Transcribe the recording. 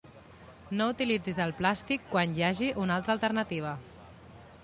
No utilitzis el plàstic quan hi hagi una altra alternativa.